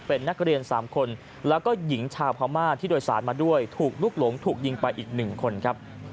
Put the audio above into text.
เป็นนักเรียน๓คนแล้วก็หญิงชาวพม่าที่โดยสารมาด้วยถูกลุกหลงถูกยิงไปอีก๑คนครับ